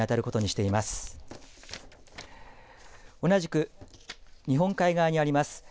同じく日本海側にあります